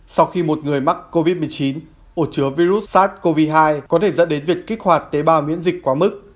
sau khi một người mắc covid một mươi chín ổ chứa virus sars cov hai có thể dẫn đến việc kích hoạt tế bào miễn dịch quá mức